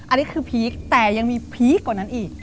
อันนี้คือพีคแต่ยังมีพีคกว่านั้นอีก